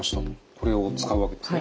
これを使うわけですね。